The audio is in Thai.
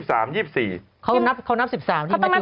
เพราะพี่ม้าต้องนับแฉะสุดต้องนับวัน๑๓